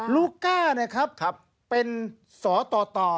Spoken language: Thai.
ลูก้าเนี่ยครับเป็นสอต่อ